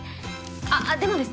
あっでもですね